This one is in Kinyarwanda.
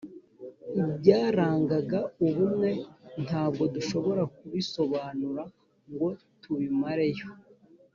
Ibyarangaga ubumwe Ntabwo dushobora kubisobanura ngo tubimare yo